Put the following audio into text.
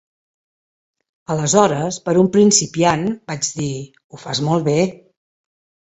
"Aleshores, per a un principiant", vaig dir, "ho fas molt bé".